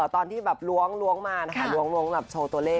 ตอนที่แบบล้วงมานะคะล้วงแบบโชว์ตัวเลข